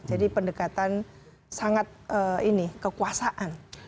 jadi pendekatan sangat ini kekuasaan